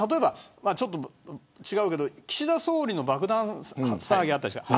ちょっと違うけど岸田総理の爆弾騒ぎがあったじゃない。